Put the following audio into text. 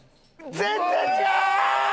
全然違う！